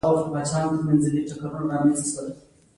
هغه د پخلنځي د کړکۍ له لارې بهر تښتېدلی و